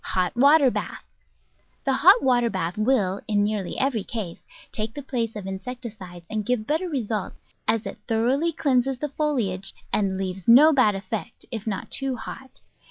Hot water Bath The hot water bath will, in nearly every case, take the place of insecticides and give better results, as it thoroughly cleanses the foliage and leaves no bad effects, if not too hot.